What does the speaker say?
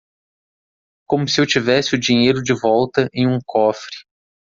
Como se eu tivesse o dinheiro de volta em um cofre.